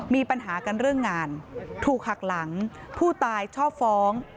มีปัญหากันเรื่องงานถูกหักหลังผู้ตายชอบฟ้อง